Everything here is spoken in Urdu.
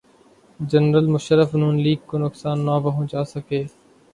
جنرل مشرف نون لیگ کو نقصان نہ پہنچا سکے۔